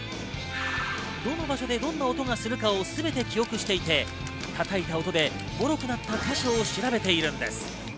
どの場所でどんな音がするかを全て記憶していて叩いた音でもろくなった箇所を調べているんです。